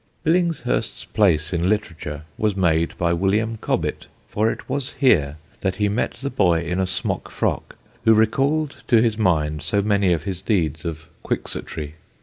Billingshurst's place in literature was made by William Cobbett, for it was here that he met the boy in a smock frock who recalled to his mind so many of his deeds of Quixotry.